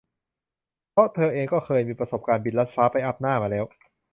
เพราะเธอเองก็เคยมีประสบการณ์บินลัดฟ้าไปอัปหน้ามาแล้ว